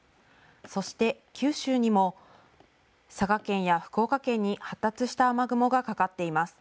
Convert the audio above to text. そして九州にも佐賀県や福岡県に発達した雨雲がかかっています。